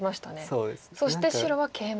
そして白はケイマ。